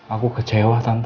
aku kecewa tante